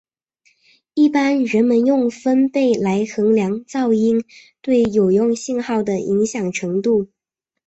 一般人们用分贝来衡量噪音对有用信号的影响程度。